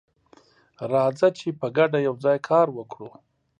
راځه چې په ګډه یوځای کار وکړو.